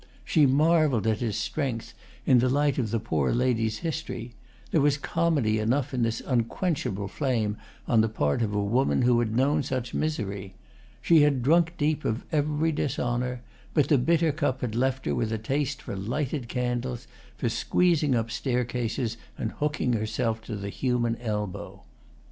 She marvelled at its strength, in the light of the poor lady's history: there was comedy enough in this unquenchable flame on the part of a woman who had known such misery. She had drunk deep of every dishonour, but the bitter cup had left her with a taste for lighted candles, for squeezing up staircases and hooking herself to the human elbow.